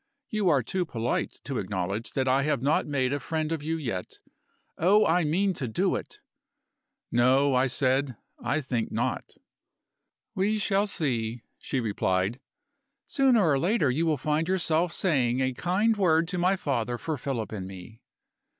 You are too polite to acknowledge that I have not made a friend of you yet. Oh, I mean to do it!" "No," I said, "I think not." "We shall see," she replied. "Sooner or later, you will find yourself saying a kind word to my father for Philip and me."